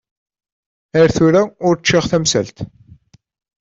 Ar tura ur ččiɣ tamsalt.